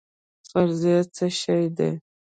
فرضیه څه شی دی؟